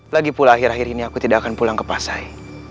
lagipula akhir akhir ini aku tidak akan pulang ke pasai